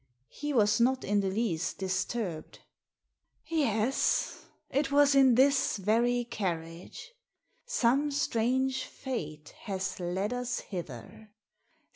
He was not in the least disturbed. "Yes, it was in this very carriage. Some strange fate has led us hither.